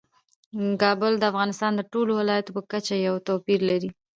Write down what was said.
کابل د افغانستان د ټولو ولایاتو په کچه یو توپیر لري.